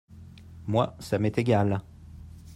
moi ça m'est égal.